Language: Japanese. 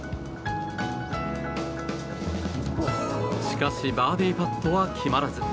しかしバーディーパットは決まらず。